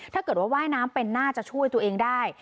ถ้าเกิดว่าว่ายน้ำเป็นน่าจะช่วยตัวเองได้